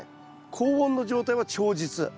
高温の状態は長日。